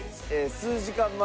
数時間前。